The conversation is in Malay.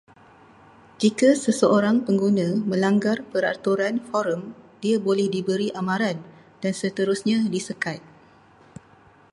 Jika seseorang pengguna melanggar peraturan forum, dia boleh diberi amaran, dan seterusnya disekat